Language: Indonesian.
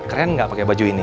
keren gak pake baju ini